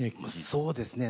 そうですね。